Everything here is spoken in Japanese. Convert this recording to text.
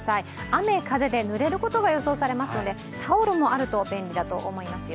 雨風でぬれることが予想されますのでタオルもあると便利だと思いますよ。